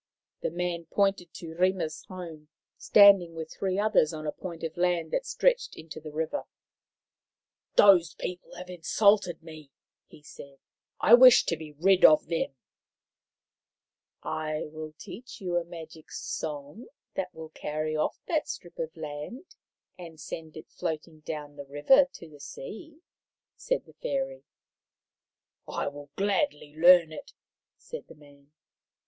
The man pointed to Rima's home, standing with three others on a point of land that stretched into the river. " Those people have insulted me," he said. " I wish to be rid of them." " I will teach you a magic song that will carry off that strip of land and send it floating down the river to the sea," said the fairy. " I will gladly learn it," said the man.